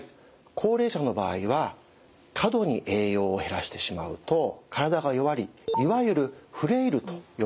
高齢者の場合は過度に栄養を減らしてしまうと体が弱りいわゆるフレイルと呼ばれる状態になってしまいます。